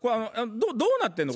「どうなってんの？